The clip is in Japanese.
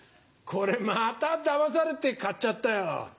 これまただまされて買っちゃったよ。